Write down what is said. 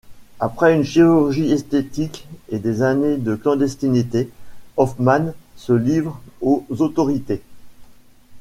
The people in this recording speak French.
Après une chirurgie esthétique et des années de clandestinité Hoffman se livre aux autorités.